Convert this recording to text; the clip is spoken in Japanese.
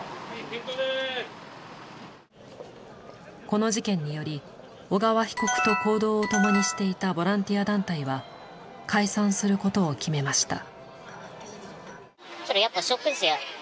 この事件により小川被告と行動を共にしていたボランティア団体は解散することを決めました。